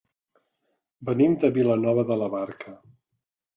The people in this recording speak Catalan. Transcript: Venim de Vilanova de la Barca.